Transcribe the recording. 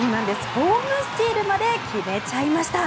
ホームスチールまで決めちゃいました。